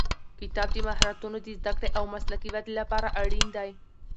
کتاب د مهارتونو د زده کړې او مسلکي ودې لپاره اړین دی.